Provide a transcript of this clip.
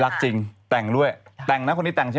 อย่าแวะหรอสรุปสรุปไม่ท้องนะ